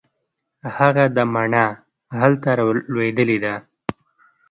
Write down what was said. هغه ده مڼه هلته رالوېدلې ده.